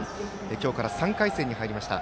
今日から３回戦に入りました。